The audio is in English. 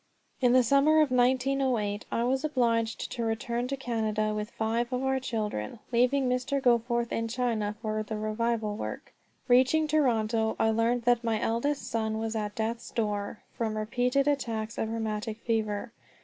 IN THE summer of 1908 I was obliged to return to Canada with five of our children, leaving Mr. Goforth in China for the revival work. Reaching Toronto, I learned that my eldest son was at death's door from repeated attacks of rheumatic fever.